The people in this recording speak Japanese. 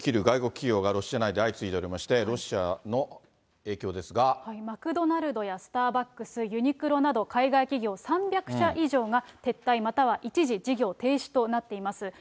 外国企業がロシア内で相次いでおりマクドナルドやスターバックス、ユニクロなど、海外企業３００社以上が、撤退、または一時事業停止となっています。